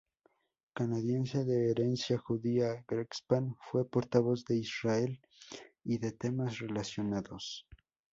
Canadiense de herencia judía, Greenspan fue portavoz de Israel y de temas relacionados.